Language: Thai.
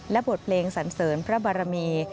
และบทเพลงสันเสริญพระบารมี